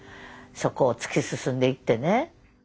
そこを突き進んでいってね。